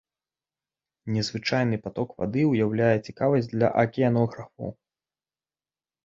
Незвычайны паток вады ўяўляе цікавасць для акіянографаў.